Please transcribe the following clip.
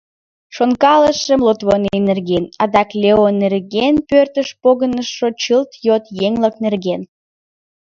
Шонкалышым Лотвонен нерген, адак Лео нерген, пӧртыш погынышо чылт йот еҥ-влак нерген.